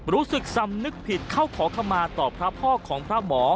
รู้สึกสำนึกผิดเข้าขอขมาต่อพระพ่อของพระหมอ